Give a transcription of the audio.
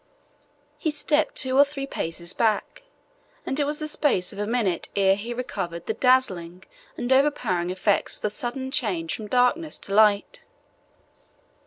He stepped two or three paces back, and it was the space of a minute ere he recovered the dazzling and overpowering effects of the sudden change from darkness to light.